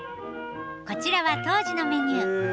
こちらは当時のメニュー。